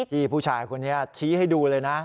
ที่ผู้ชายคนนี้ชี้ให้ดูเลยนะ